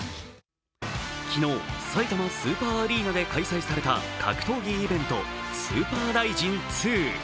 昨日、さいたまスーパーアリーナで開催された格闘技イベント、「超ＲＩＺＩＮ．２」。